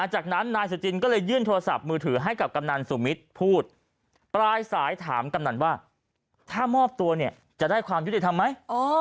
จากนั้นนายสุจินก็เลยยื่นโทรศัพท์มือถือให้กับกำนันสุมิตรพูดปลายสายถามกำนันว่าถ้ามอบตัวเนี่ยจะได้ความยุติธรรมไหม